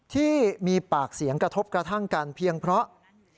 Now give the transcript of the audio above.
ที่มีปากเสียงกระทบกระทั่งกันเพียงเพราะ